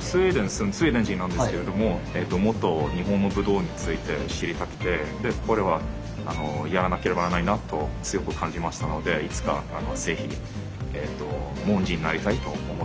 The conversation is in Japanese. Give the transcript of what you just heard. スウェーデン人なんですけれどももっと日本の武道について知りたくてでこれはやらなければならないなと強く感じましたのでいつか是非門人になりたいと思ってました。